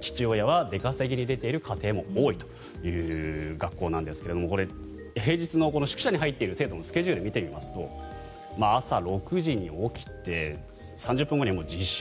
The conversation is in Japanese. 父親は出稼ぎに出ている家庭も多いという学校なんですが平日の宿舎に入っている生徒のスケジュールを見てみると朝６時に起きて３０分後にはもう自習。